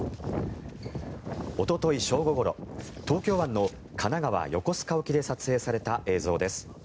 おととい正午ごろ東京湾の神奈川・横須賀沖で撮影された映像です。